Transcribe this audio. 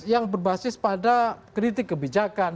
yang berbasis pada kritik kebijakan